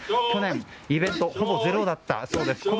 去年のイベントはほぼゼロだったそうです。